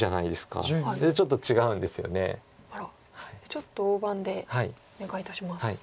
ちょっと大盤でお願いいたします。